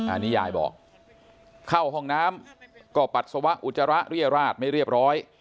อันนี้ยายบอกเข้าห้องน้ำก็ปัสสาวะอุจจาระเรียราชไม่เรียบร้อย